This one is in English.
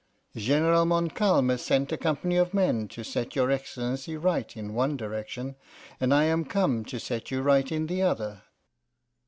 General Montcalm has sent a company of men to set your Excellency right in one direction, and I am come to set you right in the other.